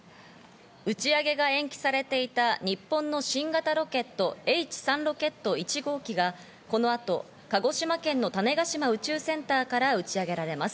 打ち上げが延期されていた日本の新型ロケット、Ｈ３ロケット１号機がこの後、鹿児島県の種子島宇宙センターから打ち上げられます。